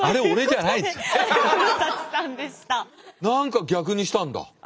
何か逆にしたんだ。